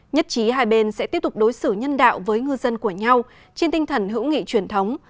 nhất trí hai bên sẽ tiếp tục đối xử nhân đạo với ngư dân của nhau trên tinh thần hữu nghị truyền thống